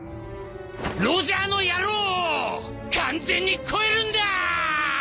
ロジャーの野郎を完全に超えるんだ！